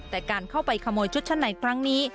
แต่การเข้าไปขโมยชุดชั้นในครั้งนี้